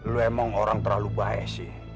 lu emang orang terlalu baik sih